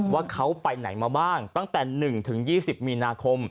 ว่าเขาไปไหนมาบ้างตั้งแต่หนึ่งถึงยี่สิบหมีนาคม